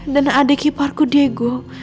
dan adik hiparku diego